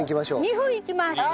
２分いきます。